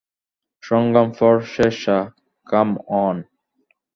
সংগ্রাম for Shershah, come in!